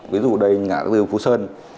ví dụ đây ngã tư phú sơn